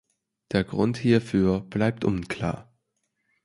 Der Grund hierfür bleibt unklar.